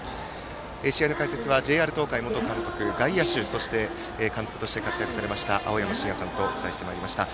試合の解説はＪＲ東海元監督外野手、そして監督として活躍されました青山眞也さんとお伝えしてまいりました。